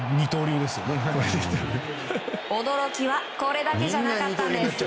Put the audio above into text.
驚きはこれだけじゃなかったんです。